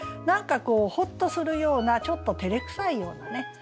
なんかこうホッとするようなちょっとてれくさいようなね